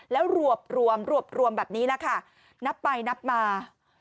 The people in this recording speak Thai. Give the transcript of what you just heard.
แล้วรวบรวมแบบนี้นะคะนับไปนับมา